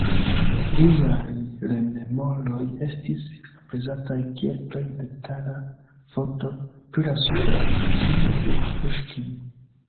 Liaj rememoroj estis aprezataj kiel plej detala fonto pri la suda ekzilo de Puŝkin.